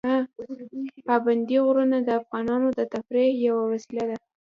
پابندی غرونه د افغانانو د تفریح یوه وسیله ده.